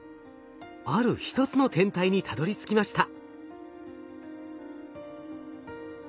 ある１つの天体にたどりつきました。